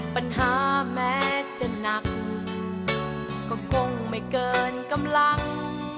ปัญหาแม้จะหนักก็คงไม่เกินกำลัง